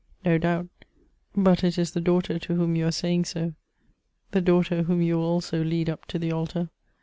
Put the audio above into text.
No doubt: but it is the daughter to whom you are saying so, the daughter whom you will also lead up to the altar.